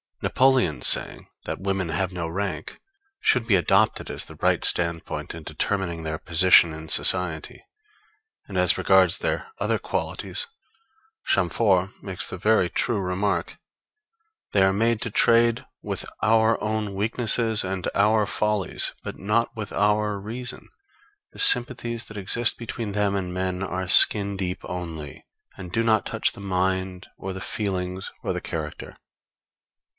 Napoleon's saying that women have no rank should be adopted as the right standpoint in determining their position in society; and as regards their other qualities Chamfort makes the very true remark: _They are made to trade with our own weaknesses and our follies, but not with our reason. The sympathies that exist between them and men are skin deep only, and do not touch the mind or the feelings or the character_.